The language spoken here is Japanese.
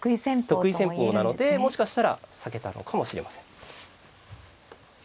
得意戦法なのでもしかしたら避けたのかもしれません。